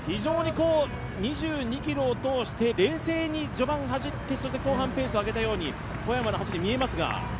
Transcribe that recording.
２２ｋｍを通して冷静に序盤走って後半ペースを上げたように見えますが。